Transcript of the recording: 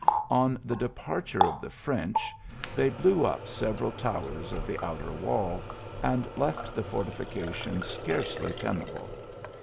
On the departure of the French, they blew up several towers of the outer wall, and left the iortili. cations scarcely tenable.